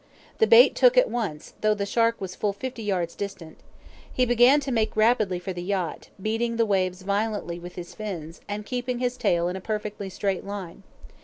The bait took at once, though the shark was full fifty yards distant. He began to make rapidly for the yacht, beating the waves violently with his fins, and keeping his tail in a perfectly straight line.